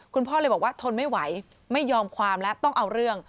คุณพ่อเลยบอกว่าทนไม่ไหวไม่ยอมความแล้วต้องเอาเรื่อง